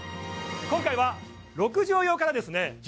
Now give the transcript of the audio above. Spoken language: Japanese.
今回は６畳用からですね